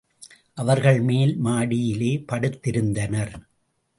அவர்கள் மேல் மாடியிலே படுத்திருந்தனர்.